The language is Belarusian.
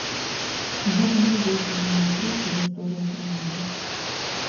Гэта найбольшы землятрус у гісторыі краіны.